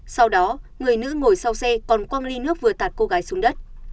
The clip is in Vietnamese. sau đó người nữ ngồi sau xe còn quang ly nước vừa tạt cô gái xuống đất